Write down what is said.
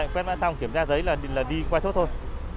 quét mã xong kiểm tra giấy là đi qua chốt thôi